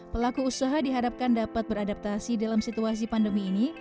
pelaku usaha diharapkan dapat beradaptasi dalam situasi pandemi ini